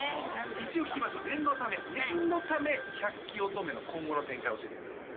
一応聞きましょう念のため念のため百鬼乙女の今後の展開を教えてください